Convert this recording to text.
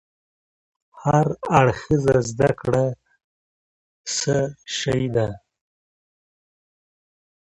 هر اړخيزه زده کړه څه شی ده؟